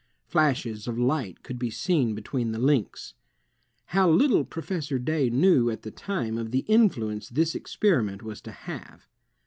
Flashes of light could be seen between the links. How little Professor Day knew at the time of the influence this ex periment was to have!